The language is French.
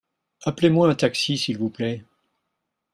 Appelez-moi un taxi s'il vous plait.